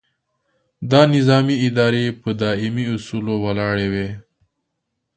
دا نظامي ادارې په دایمي اصولو ولاړې وي.